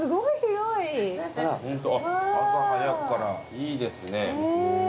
いいですね。